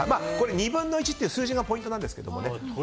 はい、２分の１っていう数字がポイントなんですけどね。